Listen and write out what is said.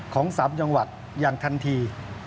ของ๓จังหวัดอย่างทันที